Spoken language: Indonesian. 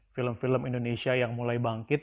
film film indonesia yang mulai bangkit